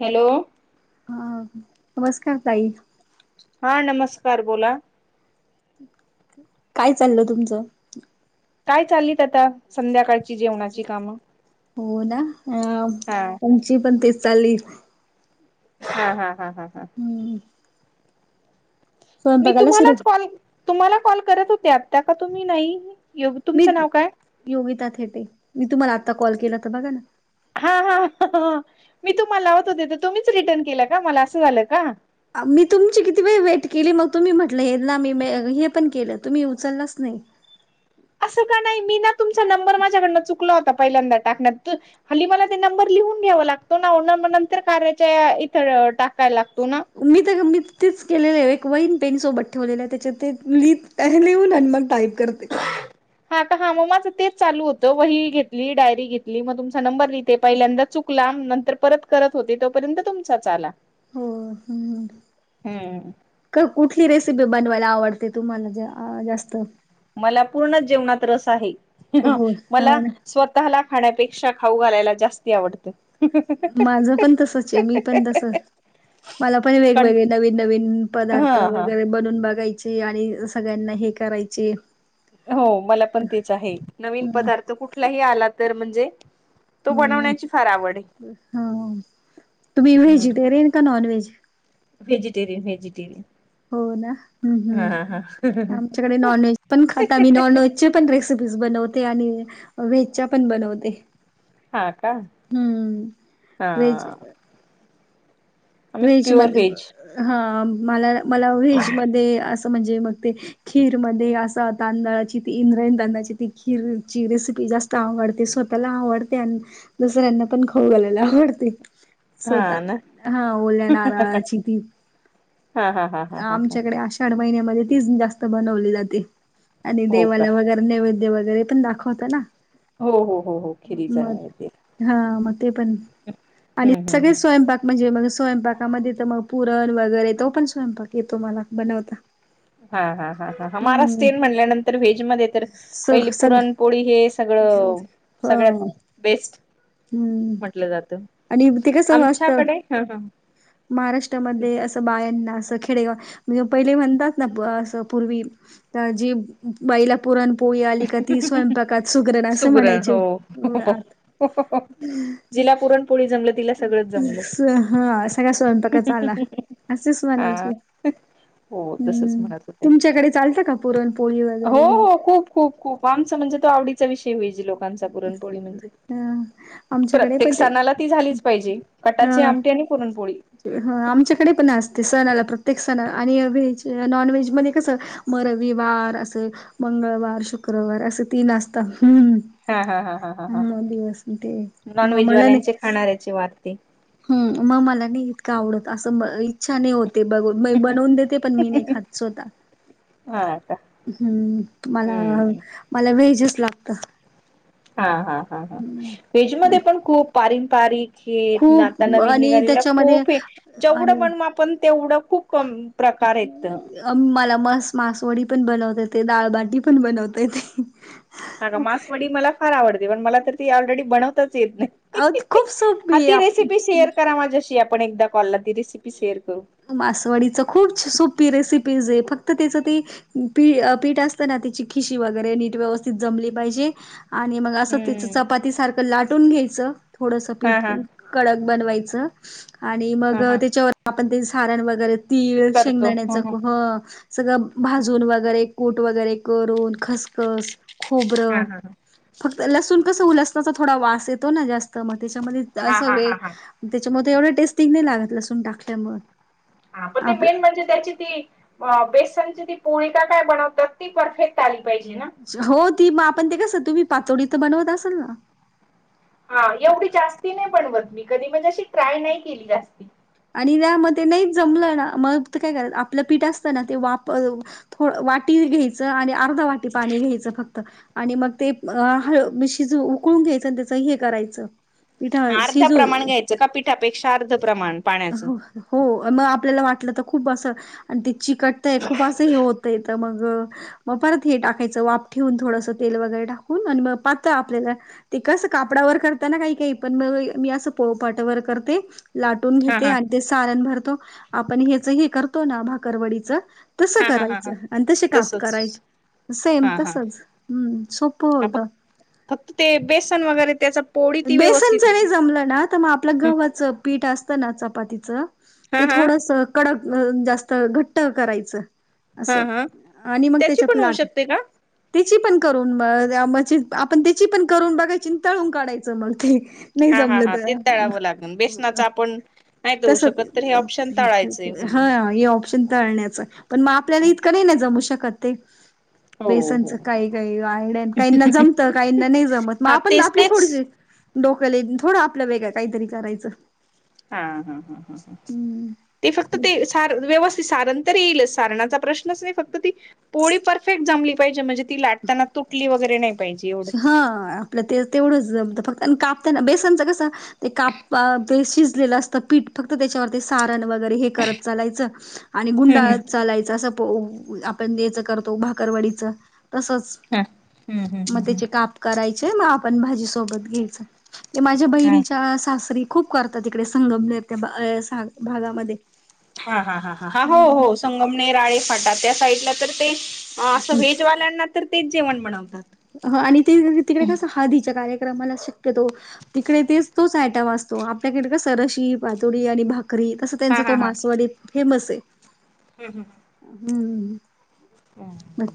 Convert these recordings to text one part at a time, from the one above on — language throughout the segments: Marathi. हॅलो! हा नमस्कार ताई! हा नमस्कार बोला! काय चाललं तुमचं? काय चालीत आता संध्याकाळची जेवणाची कामं. हो ना हा आमची पण तेस चाललीत. हा हा हा हा हा! हम्म मी स्वयंपाकाला सुरू तुम्हालाच कॉल तुम्हाला कॉल करत होते आता, का तुम्ही नाही? ये मी तुमचं नाव काय? योगिता थेटे मी तुम्हाला आत्ता कॉल केला तर बघा ना. हा हा मी तुम्हाला लावत होते तर तुम्हीच रिटर्न केलं का मला असं झालं का. मी तुमची किती वेळ वेट केली मग तुम्ही म्हटलं हे ना मी हे पण केलं तुम्ही उचललाच नाही. असं का नाही मी ना तुमचा नंबर माझ्याकडनं चुकला होता पहिल्यांदा टाकण्यात. हल्ली मला ते नंबर लिहून घ्यावा लागतो ना नंतर कार्याच्या इथं टाकायला लागतो ना. मी तर मी तेच केलेल आहे एक वैन पेन सोबत ठेवलेलं आहे त्याच्या ते लिहित पहले लिहून मग टाईप करते हा का हा मग माझं तेच चालू होतं वही घेतली डायरी घेतली मग तुमचा नंबर लिते पहिल्यांदा चुक चुकला नंतर परत करत होते तोपर्यंत तुमचाच आला हो हं हम्म क-कुठली रेसिपी बनवायला आवडते तुम्हाला ज- जास्त? मला पूर्ण जेवणात रस आहे हो [inaudible] मला हा. स्वतः ला खाण्यापेक्षा खाऊ घालायला जास्ती आवडते माझं पण तसचे मी पण तस मला पण वेगवेगळे नवीन- नवीन हा पदार्थ हा वगैरे बनून बघायचे चे आणि सगळ्यांना हे करायचे हो मला पण तेच आहे अ नवीन पदार्थ कुठलाही आला तर म्हणजे तो बनवण्याची फार आवड आहे हम्म हा तुम्ही हम्म व्हेजिटेरियन का नॉन व्हेज? व्हेजिटेरियन -व्हेजिटेरयन हो ना आमच्याकडे हम्म- हम्म नॉनव्हेज पण खाता आम्ही नॉनव्हेज जेच पण रेसिपीज बनवते आणि व्हेजच्या पण बनवते हा का हम्म हा व्हेज आम्ही व्हेज प्युअर मध्ये व्हेज -हा मला -मला व्हेज मध्ये असं म्हणजे मग ते खीर मध्ये असा तांदळाची ती इंद्रायण तांदळाची ती खीरची रेसिपी जास्त त आवडते स्वतःला आवडते आणि दुसऱ्यांना पण खाऊ घालायला आवडते [inaudible] हा ना स्वतः हा ओल्या नारळाची ती हा हा हा हा हा हा आमच्याकडे आषाढ महिन्यामध्ये तीच जास्त बनवली जाते आणि हो का देवाला वगैरे नैवेद्य वगैरे पण दाखवत ना हो हो हो हो खिरीचा मग नैवेद्य [unintelligible] हा मग ते पण. आणि हम्म हम्म -सगळे हम्म स्वयंपाक म्हणजे मग स्वयंपाकामध्ये तर मग पुरण वगैरे तो पण स्वयंपाक येतो मला बनवता. हा -हा -हा- हा -हा हम्म महारास्टिन म्हणल्यानंतर व्हेज मध्ये तर पहिली सग पुरणपोळी हे सगळं सगळ्यात हो बेस्ट म्हटलं जातं. आणि ते कसं ओ असत आमच्याकडे ह ह महाराष्ट्रामध्ये असं बायांना असं खेडेगाव म्हणजे पहिले म्हणतात ना प- आस पूर्वी जे बाईला पुरणपोळी आली का ती स्वयंपाकात सुगरण असं म्हणायचे [unintelligible] हुं हुं [inaudible] जिला पुरणपोळी जमले स्स हा सगळा स्वयंपाकच झाला असच हा म्हणायचे. [unintelligible] हो तसच हम्म म्हणत होते. तुमच्याकडे चालतं का पुरण पोळीव हो- हो खूप -खूप -खूप आमचा म्हणजे तो आवडीचा विषय व्हेज लोकांचा पुरणपोळी म्हणजे. ह आमच्याकडे प्रत्येक पण ते सणाला ती झालीच पाहिजे कटाची ह आमटी आणि पुरणपोळी. आमच्याकडे पण असते सणाला प्रत्येक सणा -आणि व्हेज -नॉन व्हेज मध्ये कसं म रविवार अस मंगळवार, शुक्रवार असं तीन असता [inaudible] हुं हुं हुं. हा हा हा हा हा हा हम्म दिवस ते म मलाने. ची वाटते. हुं मग मला नाही इतकं आवडत असं इच्छा नाही होत बघून. मै बनवून देते पण मी नाही खात स्वतः हा का हम्म मला- हम्म मला व्हेजच लागत. हा- हा -हा- हा व्हेज मध्ये पण खूप पारिंपारिक हे नाता खूप नवीन आणि निघालेला त्याच्यामध्ये खूप हे. जेवढं आणि बनवू आपण तेवढं खूप कम- प्रकार येत. अम्म मला मस- मासवडी पण बनवता येते दाळबाटी पण बनवता येते हि. [inaudible] हा का मासवडी मला फार आवडते पण मला तर ती ऑलरेडी बनवतात अ येतनाही खूप हा सोपी ती आहे रेसिपी शेअर करा माझ्याशी आपण एकदा फॉलला ती रेसिपी शेअर करू. मासवाडीच खूप सोपी रेसिपीज आहे फक्त तिचं ते पी पीठ असतना त्याची खिशी वगैरे नीट व्यवस्थित जमली पाहिजे. आणि मग असं त्याचं हम्म चपाती सारखं लाटून घ्यायचं थोडस हा पीठ हा कडक बनवायचं आणि हा मग हा त्याच्यावर आपण ते सारण वगैरे तीळ शेंगदाण्याचा क ह सगळं भाजून वगैरे कूट वगैरे करून खसखस हा खोबरं, हा ह फक्त लसूण कसं हो लसणाचा थोडा वास येतो ना जा त मग त्याच्यामध्ये हा असं हा वे हा हा त्याच्यामुळे एवढं टेस्टिंग नाही लागत लसून टाकल्यामुळ. हा पण ते मेन म्हणजे त्याची ती, व्वा बेसनची ती पोळी का काय बनवतात ती परफेक्ट आली पाहिजे ना. हो ती मग आपण ते कस तुम्ही पातोडी तर बनवत असाल ना? हा एवढी जास्ती नाही बनवत मी कधी म्हणजे अशी ट्राय नाही केली जास्ती. आणि ना ते मग ते नाही जमलं ना मग काय करात आपलं पीठ असतं ना ते वापर. थोडं वाटी घ्यायचं आणि अर्धा वाटी पाणी घ्यायचं फक्त. आणि मग ते हळ म शिजव उकळून घ्यायचं आणि त्याचं हे करायचं. पिठा अर्धा शिजू प्रमाण घ्यायचं का पिठापेक्षा अर्ध प्रमाण. पाण्याचं. हो मग, आपल्याला वाटलं तर खूप असं आणि ते चिकट तय आहे खूप असं हे होतंय तर मग, मग परत हे टाकायचं वाप ठेवून थोडंसं तेल वगैरे टाकून आणि मग पातळ आपल्याला. ते कसं कापडावर करताना काही काही पण मग मी असं पोळपाटवर करते. लाटून हा घेते हा आणि ते सारण भरतो आपण हेच हे करतो ना भाकरवडीच. तसं हा हा हा हा करायचं आणि तसे काप तसच करायचे. सेम हा हा तसच हम्म सोप हा फक्त होतं. फक्त ते बेसन वगैरे त्याच बेसनच नाही जमलं ना? ग आपलं गव्हाच पीठ असतं ना चपातीच हा ते हा थोडस, कडक जास्त घट्ट करायचं. हा असं हा आणि मग त्याची त्याच्या पण होऊ लाट शकते का त्याची पण करून बघ म्हणजे आपण त्याची पण करून बघायची तळून काढायची. जमतय [unintelligible] नाही हा हा जमलं हा ते तर, तळावं लागेल बेसनाचा आपण नाही तळू तस ते शकत तर हे ऑप्शन तळायचे होईल हा हे ऑप्शन तळण्याचं पण मग आपल्याला इतकं नाही नाही जमू शकत ते, हो हो बेसनचं काही काही आयडन काहींना जमतं, काहींना नाही जमत, मग हा आपण तेच आपली तेच थोडीशी, डोकले थोडं आपल्या वेगळं काहीतरी करायचं. हा...... हम्म ते फक्त ते सार व्यवस्थित सारण तर येईलच सारणाचा प्रश्नच नाही फक्त ती, पोळी परफेक्ट जमली पाहिजे म्हणजे ती लाटताना तुटली वगैरे नाही. पाहिजे हा एवढंच आपलं ते तेवढंच जमत फक्त कापताना बेसनच कसं, ते काप ते शिजलेलं असतं पीठ फक्त त्याच्यावर ते सारण वगैरे हे करत चालायचं. आणि हम्म गुंडाळ हम्म चालायच असं आपण यायचं करतो भाकरवाडीचं तसच. हां. मग त्याचे काप करायचे मग आपण भाजी सोबत घ्यायचं ते माझ्या हा बहिणीच्या सासरी खूप करतात तिकडे संगमनेर त्या भागामध्ये. हा ह ह ह हा हो हो हम्म संगमनेर आळे फाटा त्या साईडला तर ते, असं व्हेजवाल्यांना तर तेच जेवण बनवतात. ह आणि ते तिकडे कसं हळदीच्या कार्यक्रमाला शक्यतो. तिकडे तेच तोच आयटम असतो आपल्याकडे का सरशी पातोडी आणि भाकरी तस त्यांचा हा तो मासवाडी फेमस आहे हम् हम हम्म म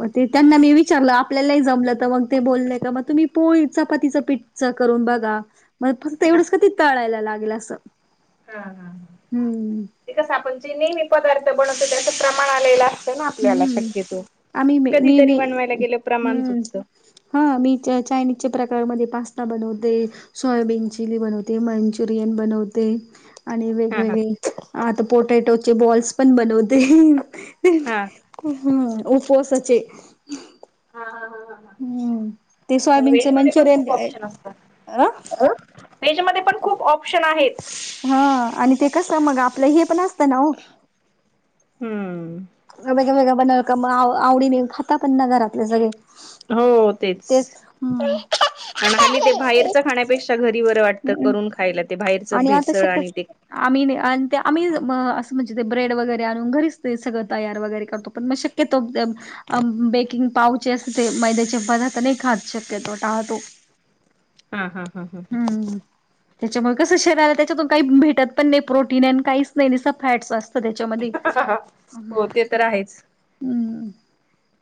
म ते त्यांना मी विचारलं आपल्याला जमलं तर मग ते बोललेय का मग तुम्ही पोळी चपातीचं पीठच करून बघा मग फक्त एवढंच क ती तळायला लागेल असं हा हा हम्म ते कस आपण जे नेहमी पदार्थ बनवतो त्याच प्रमाण आलेला आपल्याला हम्म शक्यतो आम्ही मी कधीतरी मी बनवायला गेलं प्रमाण हम्म चुकत हा मी चायनीजच्या प्रकारामध्ये पास्ता बनवते सोयाबीन चिली बनवते मंचुरियन बनवते आणि हा हा. वेगवेगळे आता पोटॅटोचे बॉल्स पण बनवते हम हम्म उपावसाचे हा ह ते ह सोयाबीनच वेज मध्ये पण मंचुरियन खूप ऑप्शन असतात अ त्याच्यामध्ये पण खूप ऑप्शन आहेत हा आणि ते कसं मग आपलं हे पण असतं ना हो हम्म वेगळ वेगळे बनवल आवडीने खाता पण ना घरातले सगळे हो तेच आणि हली ते बाहेरच खाण्यापेक्षा घरी बर वाटत करून खायला ते बाहेर आणि आता शक्य आम्ही आणि आम्ही असं म्हणजे ते ब्रेड वगैरे आणून घरीच ते सगळं तयार वगैरे करतो पण म शक क तो, अं बेकिंग पावचे अस ते मैद्याचे पार्थ नाही खा शक्यतो टाळतो हा हा हा हां हम्म त्याच्यामूळ कसं शरीराला त्याच्यातून काही भेटत पण नाही. प्रोटीन आणि काहीच नाही नाहीसं फॅट्स असतं त्या्याच्यामध्ये हा. हो ते तर आहेच हम्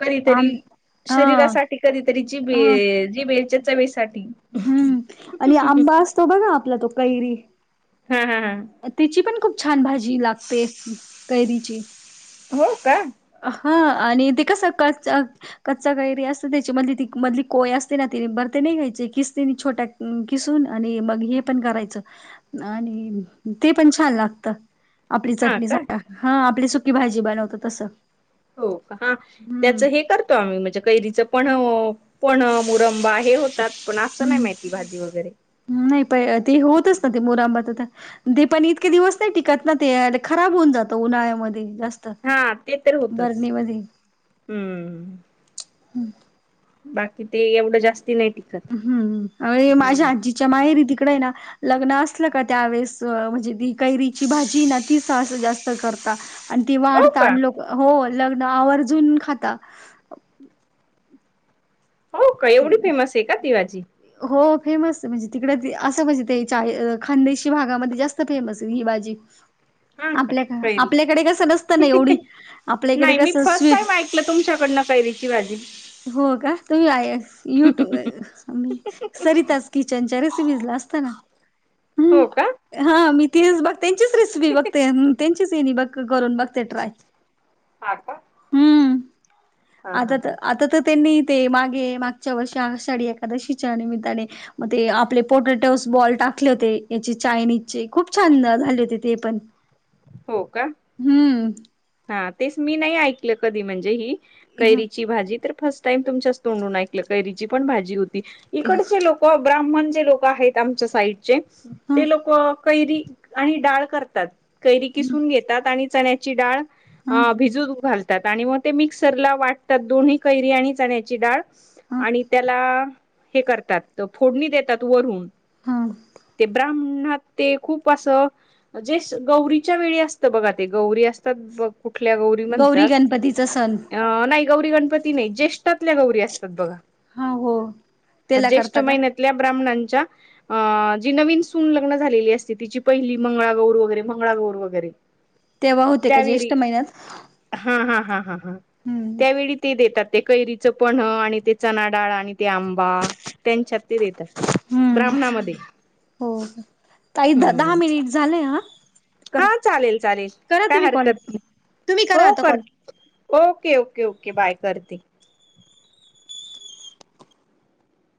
कधीतरी शरीरासाठी कधीतरी जिबे ह जिबेच्या चवेसाठी हम्म आणि आंबा असतो. बघा आपला तो कैरी हा हम ह त्याची पण खूप छान भाजी लागते कैरीची हो का? हा आणि ते कसं काच. कच्चा कैरी असते त्याची मधली ती मधली कोय असते. ना तिने भरते नाही घ्यायचे किस्तीने छोट्या किसून आणि मग हे पण करायचं आणि ते पण छान लागतं आपली हा चटणी का हा आपली सुकी भाजी बनवत तसं. हो का हा हम्म त्याचं हे करतो. आम्ही म्हणजे कैरीच पण पन्ह, मुरंबा हे होतात. पण असं नाही हम्म माहिती भाजी वगैरे नाही प ती होतंच ना ते मुरांबाात ते पण इतके दिवस नाही टिकत ना ते खराब होऊन जातं उन्हाळ्यामध्ये जास्त हा ते तर होतंच हम्म हम्म बाकी ते एवढं जास्ती नाही. टिकत हम्म आणि माझ्या हम्म आजी च्या माहेरी तिकड आहे ना, लग्न असलं का त्यावेेळेस म्हणजे ती कैरीची भाजी ती जास्त करता हो वाढता का ल हो लग्न आवर्जून खाता हो का? एवढी ती फेमस आहे का ती भाजी? हो फेमस आहे. म्हणजे तिकडे ती असं म्हणजे ते चा खानदेशी भागामध्ये जास्त फेमस आहे ही भाजी. [unintelligible] हा का आपल्या आपल्याकडे कसं नसतं ना एवढी कैरीची? आपल्या इकडे नाही. मी कसं फस्ट स्वीट टाईम ऐकलं तुमच्याकडनं कैरीची ची भाजी. हो का? तुम्ही आ य युट्यूब अ मी सरिताज किचनच्या रेसिपीज ला असत ना. हो का? हम्म हा मी तेच बघ त्यांचीच रेसिपी बघते. अन त्यांच्याच यानी बघ करून बघते ट्राय. हा का? हम्म हा हा आता त हा. आता त त्यांनी ते मागे माग आषाढी एकादशीच्या निमित्ताने म ते आपले पोटॅटोस बॉल टाकले होते, याचे चायनीजचे खूप छान झाले होते ते पण. [inaudible] हो का? हम्म हा तेच मी नाही ऐकलं कधी म्हणजे ही ह कैरीची ची भाजी तर फर्स्ट टाइम तुमच्याच तोंडून ऐकलं कैरीची पण भाजी होते. इकडची लोक क ब्राह्मण जे लोक आहेत, आमच्या साईडचे ते ह लोकं कैरी आणि डाळ करतात. कैरी किसून घेतात आणि चण्याची डाळ अ ह भिजूक घालतात. आणि मग ते मिक्सरला वाटतात दोन्ही कैरी आणि चण्याची डाळ. आणि त्याला हे करतात, फोडणी देतात वरून. हा ते ब्राह्मणात ते खूप असं जे गौरीच्या वेळी असत बघा ते. गौरी असतात, कुठल्या गौरी म्हणतात? गणपतीचा सण अ नाही गौरी गणपती नाही. ज्येष्ठातल्या गौरी असतात बघा. हा त्याला ज्येष्ठ करता का महिन्यात तल्या ब्राह्मणांच्या अं जी नवीन सून लग्न झालेली असते तिची पहिली मंगळागौर होत मंगळागौर वगैरे. तेव्हा होते का ज्येष्ठ महिन्यात? हां हां हां हां हां. हम्म त्यावेळी ते देतात ते कैरीचं पन्ह आणि ते चणा डाळ आणि ते आंबा. त्यांच्यात ते देतात हम्म ब्राह्मणामध्ये. हो हो. ताई द दहा हम्म मिनिट झालेय हं. हा चालेल चालेल काय तुम्ही कॉल हरकत नाही. तुम्ही करा हो आता कर call okay, okay, okay. Bye करते.